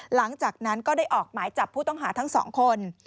หลังจากนั้นก็ได้ออกหมายจับผู้ต้องหาทั้งสองคน